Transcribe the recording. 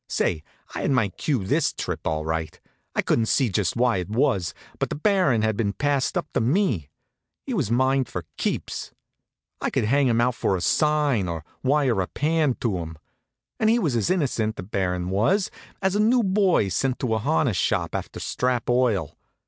Say, I had my cue this trip, all right. I couldn't see just why it was, but the Baron had been passed up to me. He was mine for keeps. I could hang him out for a sign, or wire a pan to him. And he was as innocent, the Baron was, as a new boy sent to the harness shop after strap oil.